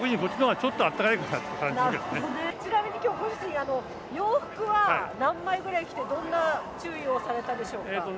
ちなみにきょうご主人、洋服は何枚ぐらい着て、どんな注意をされたでしょうか。